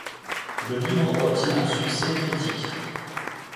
Le livre obtient un succès critique.